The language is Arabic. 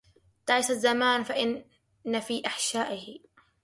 تعس الزمان فإن في أحشائه